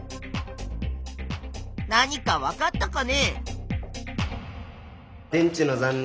何かわかったかね？